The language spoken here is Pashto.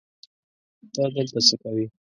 ته دلته څه کوې؟